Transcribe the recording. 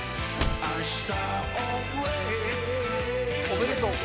おめでとう。